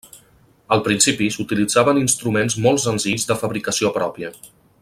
Al principi, s'utilitzaven instruments molt senzills de fabricació pròpia.